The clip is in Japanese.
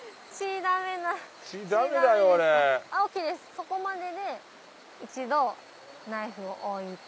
そこまでで一度ナイフを置いて。